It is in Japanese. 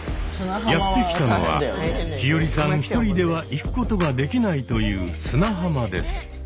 やって来たのは陽葵さん一人では行くことができないという砂浜です。